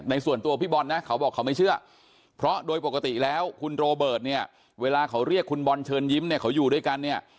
ส่วนตัวพี่บอลนะเขาบอกเขาไม่เชื่อเพราะโดยปกติแล้วคุณโรเบิร์ตเนี่ยเวลาเขาเรียกคุณบอลเชิญยิ้มเนี่ยเขาอยู่ด้วยกันเนี่ย